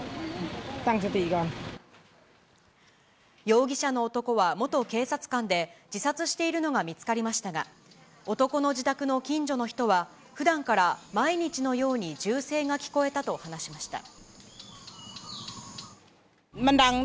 容疑者の男は元警察官で、自殺しているのが見つかりましたが、男の自宅の近所の人は、ふだんから毎日のように銃声が聞こえたと話しました。